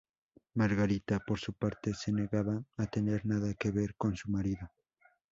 Margarita, por su parte, se negaba a tener nada que ver con su marido.